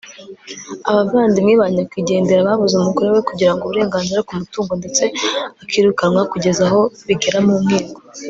abavandimwe ba nyakwigendera babuza umugore we kugira uburenganzira ku mutungo ndetse akirukanwa kugeza aho bigera mu nkiko